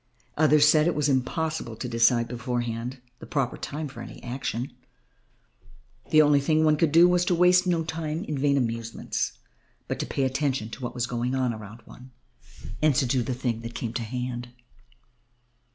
Others said that it was impossible to decide beforehand the proper time for any action; the only thing one could do was to waste no time in vain amusements, but to pay attention to what was going on around one, and to do the thing that came to hand.